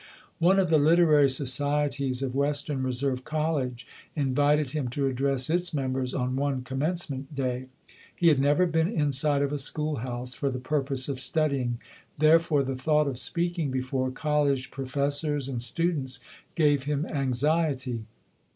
One of the literary societies of Western Re serve College invited him to address its members on one Commencement Day. He had never been inside of a schoolhouse for the purpose of study ing, therefore the thought of speaking before col lege professors and students gave him anxiety.